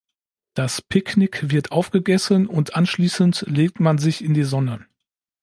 Das Picknick wird aufgegessen, und anschließend legt man sich in die Sonne.